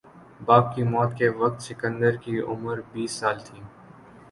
باپ کی موت کے وقت سکندر کی عمر بیس سال تھی